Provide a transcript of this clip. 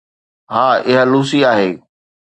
ها، اها لوسي آهي